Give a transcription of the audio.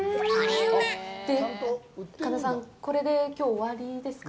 で、神田さん、これできょう終わりですかね。